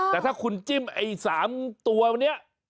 แต่ถ้าคุณจิ้มไอ้๓ตัววันนี้